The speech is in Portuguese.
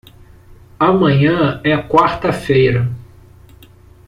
Amanhã é quarta feira.